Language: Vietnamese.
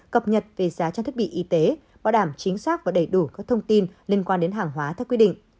cập nhật về giá trang thiết bị y tế bảo đảm chính xác và đầy đủ các thông tin liên quan đến hàng hóa theo quy định